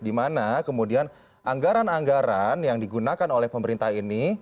dimana kemudian anggaran anggaran yang digunakan oleh pemerintah ini